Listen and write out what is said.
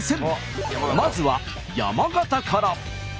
まずは山形から。